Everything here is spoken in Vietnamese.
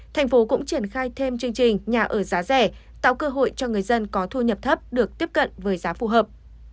thành phố cũng triển khai thêm chương trình nhà ở giá rẻ tạo cơ hội cho người dân có thu nhập thấp được tiếp cận với giá phù hợp